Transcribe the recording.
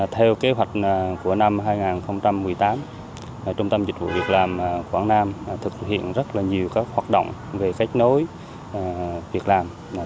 theo kế hoạch của năm hai nghìn một mươi tám trung tâm dịch vụ việc làm quảng nam thực hiện rất nhiều hoạt động về cách nối việc làm